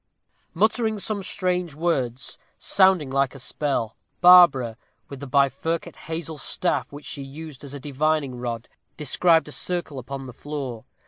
Muttering some strange words, sounding like a spell, Barbara, with the bifurcate hazel staff which she used as a divining rod, described a circle upon the floor.